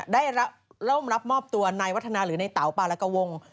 ได้ร่วมรับมอบตัวในวัฒนาหรือในเตาปลาและกระวง